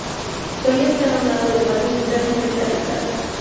Solía estar a un lado del patio central y frente al altar.